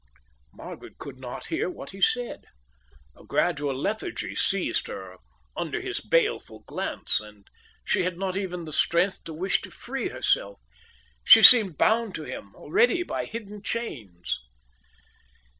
Margaret could not hear what he said. A gradual lethargy seized her under his baleful glance, and she had not even the strength to wish to free herself. She seemed bound to him already by hidden chains.